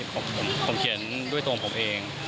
ผมเขียนด้วยตัวของผมเอง